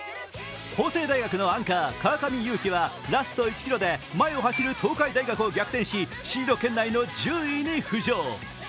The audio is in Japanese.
法政大学のアンカー、川上有生はラスト１ｋｍで前を走る東海大学を逆転し、シード圏内の１０位に浮上。